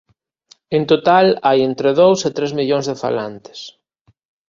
En total hai entre dous e tres millóns de falantes.